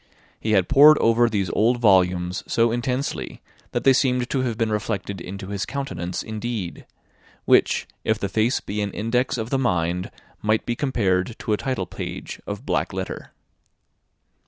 He had pored over these old volumes so intensely, that they seemed to have been reflected into his countenance indeed; which, if the face be an index of the mind, might be compared to a title page of black letter.